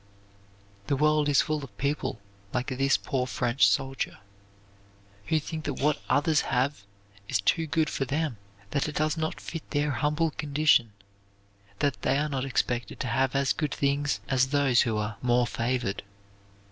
The world is full of people like this poor French soldier, who think that what others have is too good for them; that it does not fit their humble condition; that they are not expected to have as good things as those who are "more favored."